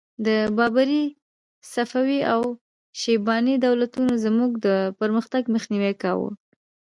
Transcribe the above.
د بابري، صفوي او شیباني دولتونو زموږ د پرمختګ مخنیوی کاوه.